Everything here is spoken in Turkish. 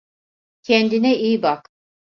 Kendine iyi bak.